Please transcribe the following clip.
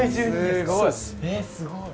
・すごい！